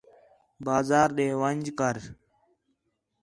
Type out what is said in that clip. بازار ݙے ون٘ڄ کر